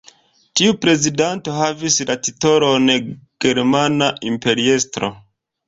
Tiu prezidanto havis la titolon Germana Imperiestro.